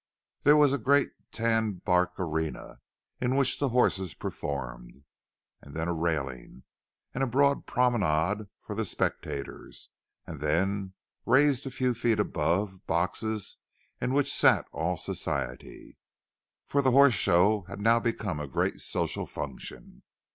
There was a great tan bark arena, in which the horses performed; and then a railing, and a broad promenade for the spectators; and then, raised a few feet above, the boxes in which sat all Society. For the Horse Show had now become a great social function.